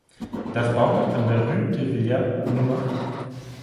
Das Bauwerk an der Rue de Villars Nr.